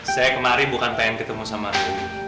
saya kemari bukan pengen ketemu sama lo